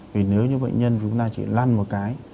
thì nếu như bệnh nhân chúng ta chỉ lăn một cái